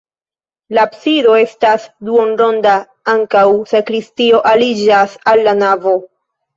La absido estas duonronda, ankaŭ sakristio aliĝas al la navo.